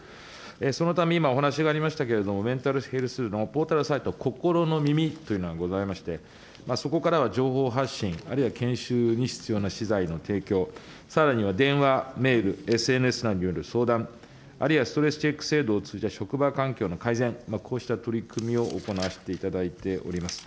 そのため、今お話がありましたけども、メンタルヘルスポータルサイト、心の耳というのがございまして、そこからは情報発信、あるいは研修に必要な資材の提供、さらには電話、メール、ＳＮＳなどによる相談、あるいはストレスチェック制度を通じた職場環境の改善、こうした取り組みを行わせていただいております。